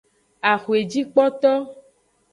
Axwejikpoto.